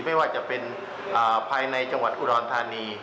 ไม่ว่าจะเป็นภายในจังหวัดอุดรธานี